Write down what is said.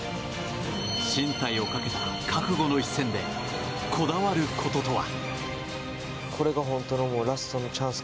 進退をかけた覚悟の一戦でこだわることとは。